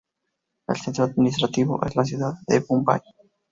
El centro administrativo es la ciudad de Mumbai.